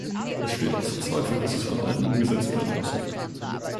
Es steht außer Zweifel, dass es von allen umgesetzt werden muss.